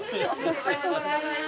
おめでとうございます。